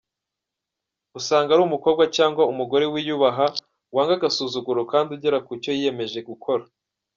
Usanga ari umukobwa cyangwa umugore wiyubaha, wanga agasuzuguro kandi ugera kucyo yiyemeje gukora.